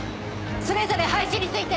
それぞれ配置に就いて！